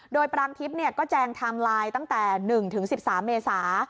โดยปรางทิพย์ก็แจงไทม์ไลน์ตั้งแต่๑๑๓เมษา